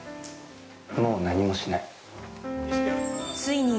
もう何もしない。